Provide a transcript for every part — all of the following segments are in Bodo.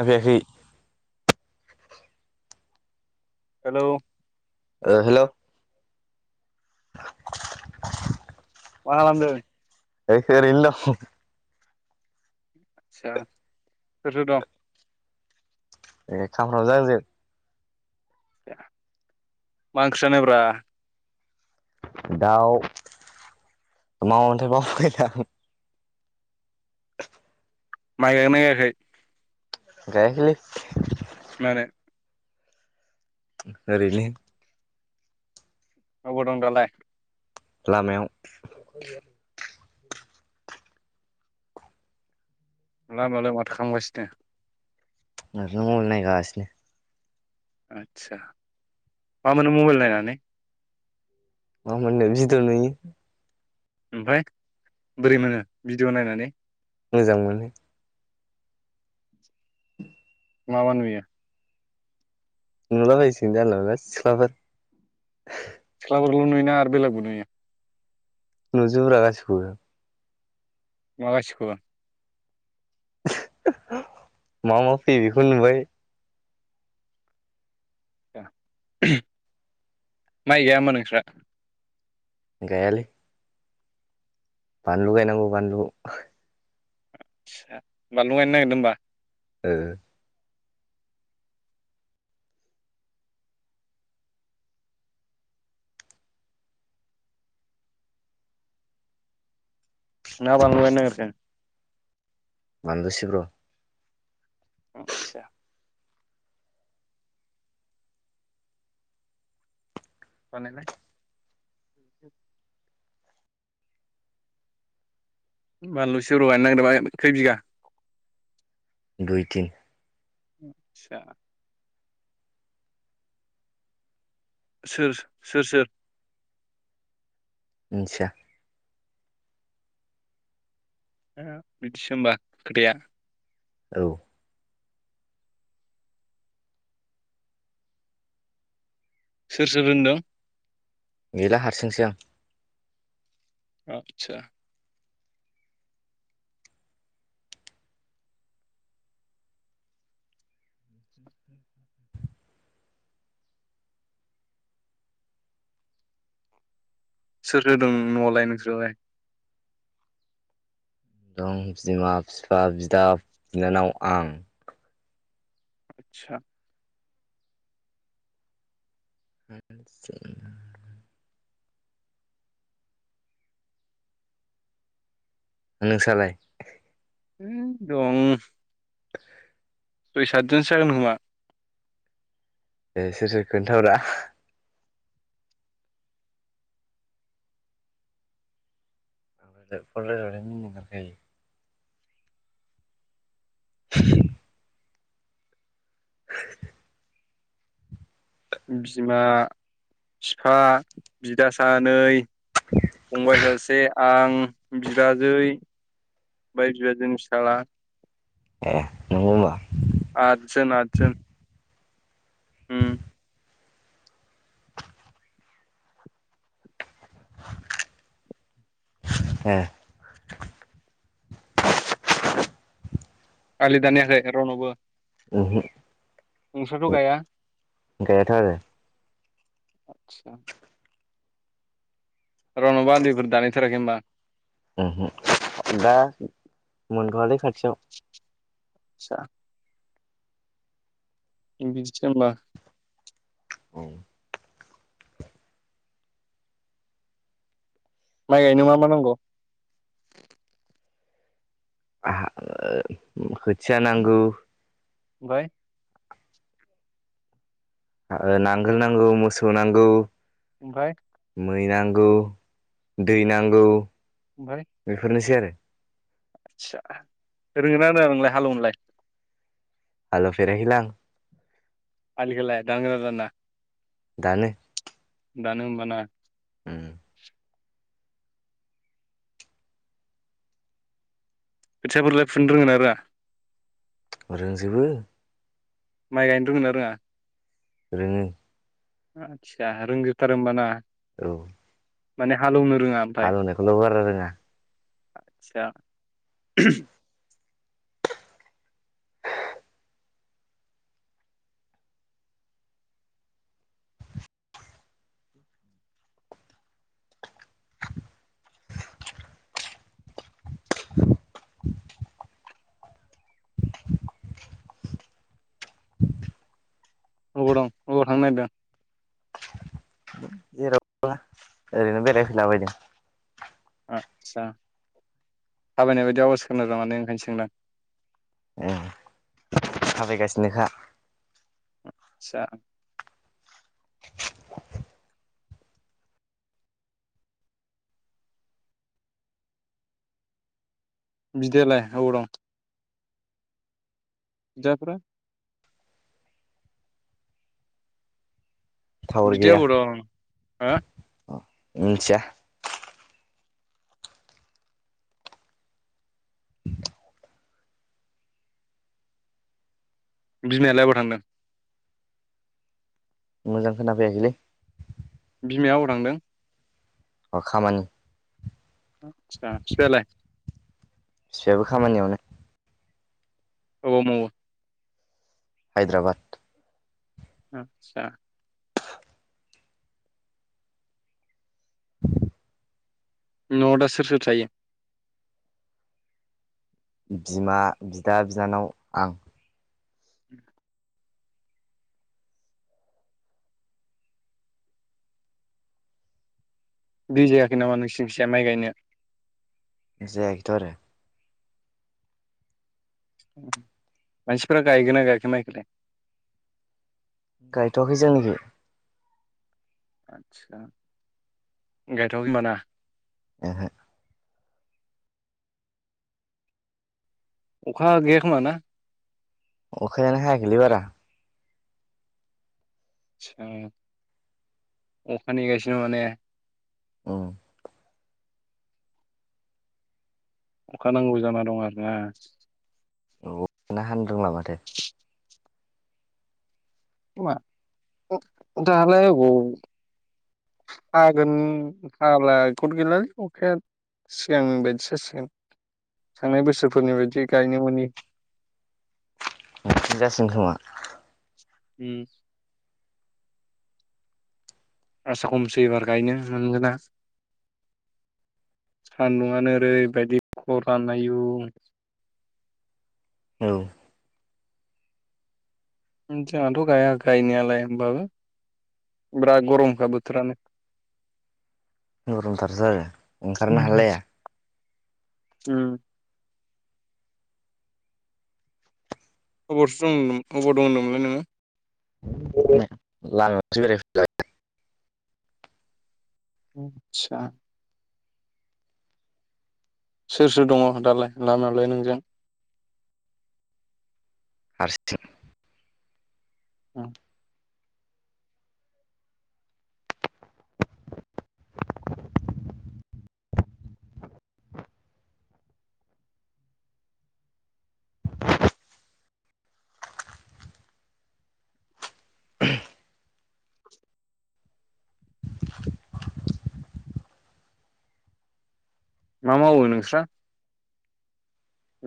जाफैयाखै। हेलौ ओ हेल'। [inaudible] माखालामदों है ओरैनो दं आसा सोर सोर दं ए खामफ्रामजो आंजो मा ओंख्रि जानायब्रा दाउ मामोनथाय बावबायलां माइ गायगोना गायाखै गायाखैलै मानो ओरैलै अबाव दं दालाय लामायाव लामायावलाय माथो खालामगासिनो हारसिं मबायल नायगासिनो आदसा मा मोनो मबाइल नायनानै मा मोननो भिडिअ ' नुयो ओमफ्राय बोरै मोनो भिडिअ' नायनानै मोजां मोनो मा मा नुयो नुलाबायसिगोन जानला मोनला सिख्लाफोर सिख्लाफोरखौल नुयोना आरो बेलगबो नुयो नुजोब्रा गासिखौबो मा गासिबखौबो मा मा फैैयो बेखौनो नुबाय माइ गायाहोमबा नोंस्रा गायालै बानलु गायनांगौ बानलु आदसा बानलु गायनो नागिरदों होमबा ओ ना बानलु गायनो नागिरखो बानलु सिब्र आदसा बानायलाय बानलु सिब्र गायनो नागिरदोंबा खै बिघा दुइ तिन आतसा सोर सोर सोर मिनथिया बिदिसो होमबा खोथाया औ सोर सोर होनदों गैला हारसिंसो आं आतसा सोर होदों न'आवलाय नोंस्रालाय दं बिमा बिफा बिदा बिनानाव आं आतसा [unintelligible] नोंसालाय दं [unintelligible] सय सातजनसो जागोन खोमा ए सोर सोर खोन्थारा ओ फन रायलायबाथाय मिनिनो ओंखार खायो [unintelligible] बिमा बिफा बिदा सानै फंबाय सासे आं बिबाजै बिबाजैनि फिसाला ए नंगौ होमबा आतजोन आतजोन उ ए आलि दानियाखै रनावबो गैयाथ' आरो आतसा रावनावबो आलिफोर दानायथाराखै होनोमबा दा मोनथ'आलै खाथियाव आतसा बिदिसो होमब्ला औ माइ गायनो मा मा नांगौ खोथिया नांगौ फ्राय नांगोल नांगौ मोसौ नांगौ ओमफ्राय मै नांगौ दै नांगौ ओमफ्राय बेफोरनोसै आरो आदसा रोंङोना रोङा नोंलाय हालेव नोलाय हालोव फेराखैलां आलिखौलाय दानगोना दाना दानो दानो उम खोथिया फोरलाय फुनो रोंगोन ना रोङा आरो रोंजोबो माइ गायनो रोंना रोङा रोङो आतसा रोंजुथ रोमबाना औ माने हालौनो हालौवनायखौल' बारा रोङा आतसा ए अबाव दं अबाव थांनो नागेरदों जेरावा ओरैनो बेरायफैलाबायदों आस्सा थाबायनाय बायदि अवास् खोनादों माने ओंखायनो सोंदों ए थाबायगासिनोखा आचा बिदिलाय औ दं जायपुरा टावार बिदिया गैया अबाव दं हो मिथिया बिमायालाय अबाव थांदों मोजां खोनाफैयाखैलै बिमाया अबाव‌ थांदों अ खामानि आतसा फिफायालाय। बिफायाबो खामानियावनो। अबाव मावो? हायद्राबाद। आतसा। [unintelligible] न' आव दा सोर सोर थायो? बिमा बिदा बिनानाव आं। [unintelligible] दै जायाखै नामा नोंसिखिजा माइ गायनाया। जायाखै थ आरो। मानसिफ्रा गायगोना गायाखै माइखौलाय? गायथ'वाखै जोंनिखि। आदसा गायथावखै होमबा ना। ओहो अखा गैया खोमा ना? अखायानो हायाखैै बारा। अखा नेगासिनो माने। औ अखा नांगौ जाना दं आरोना। औ हानोरोंला माथो। [unintelligible] दालाय अबाव हागोन हाला गद गैला लै अखाया। सिगांनि बायदि जासिगोन थांनाय बोसोरफोरनि बायदि गायनो मोनि। [unintelligible] [unintelligible] जासिगोन खोमा। उम आसा खमसै एबार गायनो मोनगोना। सान्दुंआनो ओरैबायदि खरान आयु। [inaudible] औ उम जोंहाथ' गाया गायनायालाय होमबाबो। बिराद गरमखा बोथोरानो। गरमथारसो आरो ओंखारनो हालाया। उम अबावथो दं अबाव दं होनदोंमोनलाय नोङो? [unintelligible] आतसा सोर सोर दङ दालाय लामायावलाय नोंजों? [unintelligible] औ मा मावो नोंस्रा?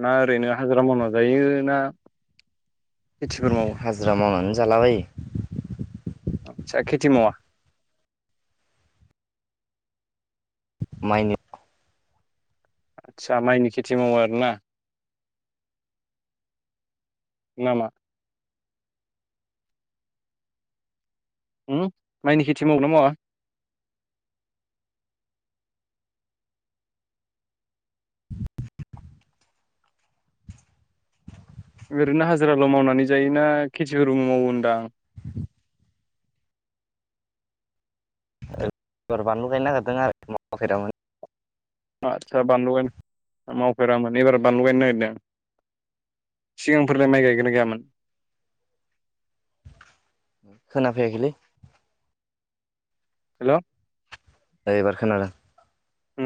ना ओरैनो हाजिरा मावना जायो ना खेथिफोर मावो हाजिरा माङानो जाला बायो। आतसा खिथि मावा? माइ निल' आदसा माइनि खेथि मावो आरो ना? नामा? ओम माइनि खेथि मावोना मावा? [inaudible] ओरैनो हाजिराल' मावनानै जायोना खेथिफोरबो मावो होनदां। एबार बानलु गायनो नागिरदों आरो मावाखैदाबो आदसा बानलु गायनो मावफेरामोन एबार बानलु गायनो नागिरदों सिगांफोरलाय माइ गायगोना गायामोन? खोनाफैयाखैलै हेल'। एबार खोनादों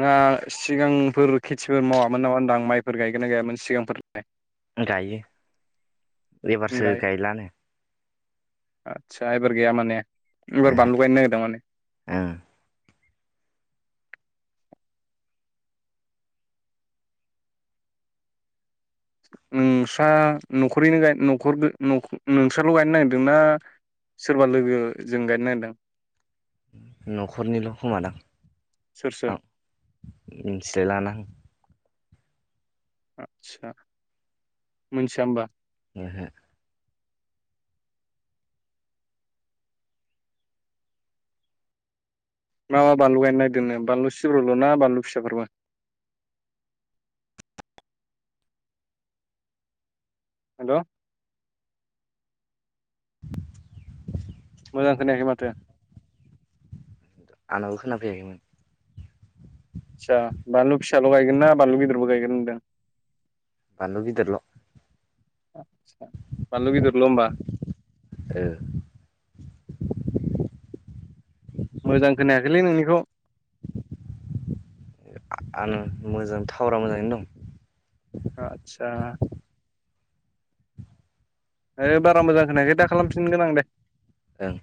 ना सिगांफोर खेथिफोर मावामोन नामा होनदों माइफोर गायगो ना गायामोन सिगांफोर गायो एबारसो गायलानो आतसा एबार गाया माने एबार ओहो बानलु गायनो नागिरदों माने? ओं नोंसा न'खरैनो गायनो न'खरदो न' नोंसानाव' गायनो नागिरदोंना सोरबा लोगो जों गायनो नागिरदों? न'खरनिल' खोमादां। सोर सोर आं मिन्थिलाय लाङालां आतसा मोनथिया होमबा? ओहो मा मा बानलु गायनो नागिरदोंनो बानलु सिब्रबो ना बानलु फिसाफोरबो? [inaudible] हेल'। मोजांखोनायाखै माथो आंनाबो खोनाफैयाखैमोन आदसा बानलु फिसाल' गायगोन ना बानलु गिदिरबो गायगोन होनदों? बालु गिदिरल'। आदसा, बानलु गिदिरल' ओमबा ओ [inaudible] मोजां खोनायाखैलै नोंनिखौ आनो मोजां टावारा मोजाङैनो दं। आतसा। आरो बारा मोजां खोनायाखै दा खालामफिनगोन आं दे। ओं।